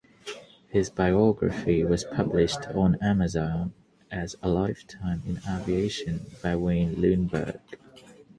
His biography was published on Amazon as "A Lifetime In Aviation" by Wayne Lundberg.